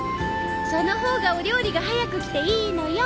そのほうがお料理が早く来ていいのよ。